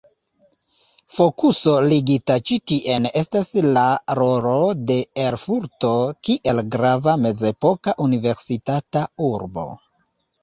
Fokuso ligita ĉi tien estas la rolo de Erfurto kiel grava mezepoka universitata urbo.